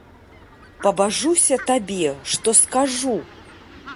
Пабажуся табе, што скажу!